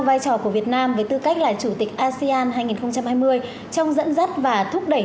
vai trò của việt nam với tư cách là chủ tịch asean hai nghìn hai mươi trong dẫn dắt và thúc đẩy